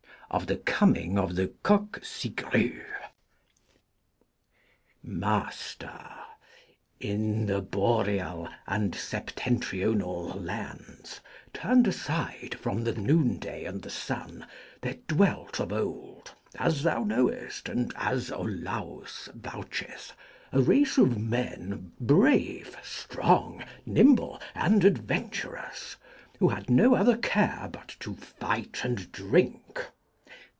Of the Coming of the Coqcigrues. Master, In the Boreal and Septentrional lands, turned aside from the noonday and the sun, there dwelt of old (as thou knowest, and as Olaus voucheth) a race of men, brave, strong, nimble, and adventurous, who had no other care but to fight and drink.